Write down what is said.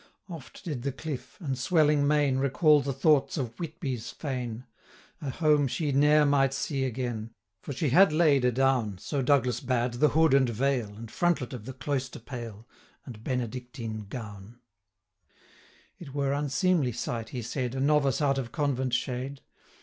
65 Oft did the cliff, and swelling main, Recall the thoughts of Whitby's fane, A home she ne'er might see again; For she had laid adown, So Douglas bade, the hood and veil, 70 And frontlet of the cloister pale, And Benedictine gown: It were unseemly sight, he said, A novice out of convent shade.